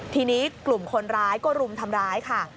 ทีนี้กลุ่มคนร้ายก็รุมทำร้ายค่ะ